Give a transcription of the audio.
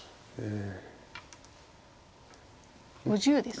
５０ですか。